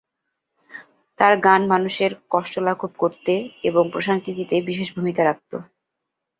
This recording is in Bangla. তাঁর গান মানুষের কষ্ট লাঘব করতে এবং প্রশান্তি দিতে বিশেষ ভূমিকা রাখত।